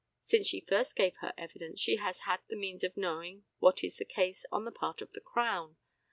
Since she first gave her evidence she has had the means of knowing what is the case on the part of the Crown.